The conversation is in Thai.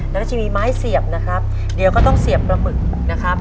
แล้วก็จะมีไม้เสียบนะครับเดี๋ยวก็ต้องเสียบปลาหมึกนะครับ